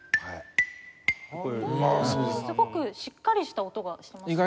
すごくしっかりした音がしてますね。